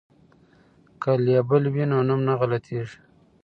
که لیبل وي نو نوم نه غلطیږي.